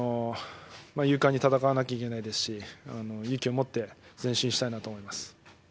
勇敢に戦わなければいけないですし勇気をもって前進したいと思います。